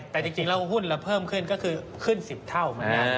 แต่จริงแล้วหุ้นเราเพิ่มขึ้นก็คือขึ้น๑๐เท่า